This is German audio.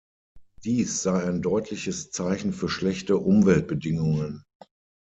Dies sei ein deutliches Zeichen für schlechte Umweltbedingungen.